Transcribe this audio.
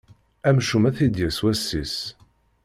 Amcum ad t-id-yas wass-is!